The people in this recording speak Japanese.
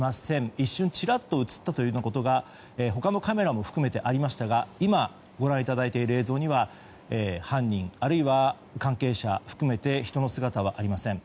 一瞬、ちらっと映ったということが他のカメラも含めてありましたが今ご覧いただいている映像には犯人、あるいは関係者含めて人の姿はありません。